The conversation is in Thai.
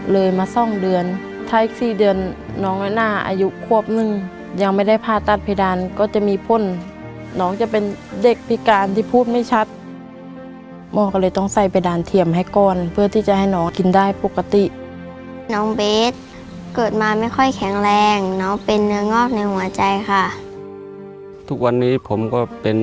มีความรู้สึกว่ามีความรู้สึกว่ามีความรู้สึกว่ามีความรู้สึกว่ามีความรู้สึกว่ามีความรู้สึกว่ามีความรู้สึกว่ามีความรู้สึกว่ามีความรู้สึกว่ามีความรู้สึกว่ามีความรู้สึกว่ามีความรู้สึกว่ามีความรู้สึกว่ามีความรู้สึกว่ามีความรู้สึกว่ามีความรู้สึกว